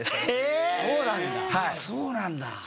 そうなんだ。